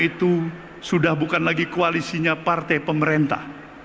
itu sudah bukan lagi koalisinya partai pemerintah